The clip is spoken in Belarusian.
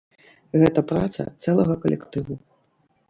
Гэта праца цэлага калектыву.